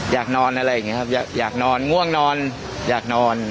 อยากนอนอะไรอย่างนี้ครับอยากนอนง่วงนอนอยากนอน